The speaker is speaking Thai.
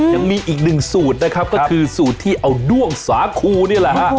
ยังมีอีกหนึ่งสูตรนะครับก็คือสูตรที่เอาด้วงสาคูนี่แหละฮะ